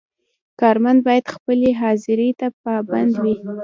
کارمند باید خپلې حاضرۍ ته پابند وي.